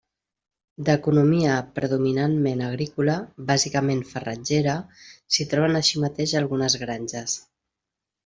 D'economia predominantment agrícola, bàsicament farratgera, s'hi troben així mateix algunes granges.